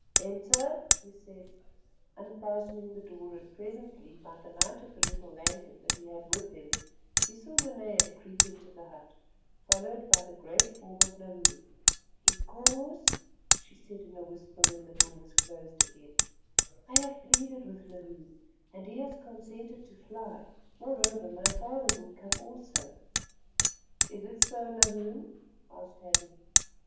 "Enter," he said, unfastening the door, and presently by the light of the little lantern that he had with him, he saw Nanea creep into the hut, followed by the great form of Nahoon. "Inkoos," she said in a whisper when the door was closed again, "I have pleaded with Nahoon, and he has consented to fly; moreover, my father will come also." "Is it so, Nahoon?" asked Hadden.